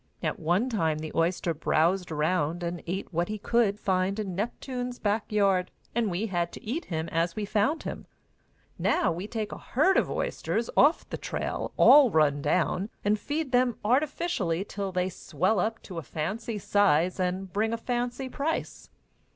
At one time the oyster browsed around and ate what he could find in Neptune's back yard, and we had to eat him as we found him. Now we take a herd of oysters off the trail, all run down, and feed them artificially till they swell up to a fancy size, and bring a fancy price.